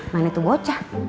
mana tuh bocah